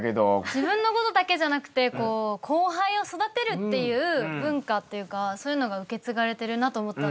自分のことだけじゃなくて後輩を育てる文化というかそういうのが受け継がれてるなと思ったので。